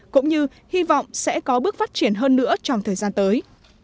cũng như hy vọng sẽ có bước phát triển hơn nữa trong thời gian tới